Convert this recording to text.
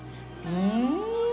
うん！